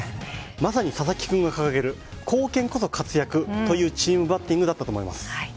まさに佐々木君が掲げる貢献こそ活躍というチームバッティングだと思います。